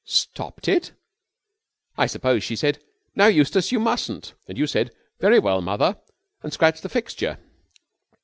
"Stopped it? I suppose she said, 'Now, Eustace, you mustn't!' and you said, 'Very well, mother!' and scratched the fixture?"